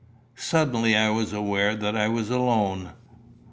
Suddenly I was aware that I was alone.